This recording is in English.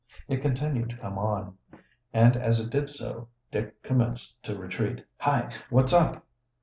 It continued to come on, and as it did so Dick commenced to retreat. "Hi! what's up?"